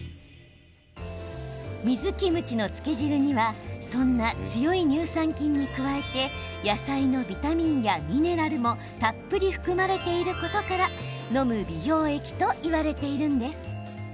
水キムチの漬け汁にはそんな強い乳酸菌に加えて野菜のビタミンやミネラルもたっぷり含まれていることから飲む美容液といわれているんです。